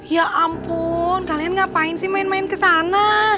ya ampun kalian ngapain sih main main kesana